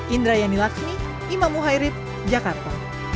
indra yani lakshmi imamu hairib jakarta